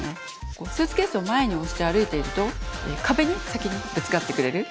スーツケースを前に押して歩いていると壁に先にぶつかってくれる。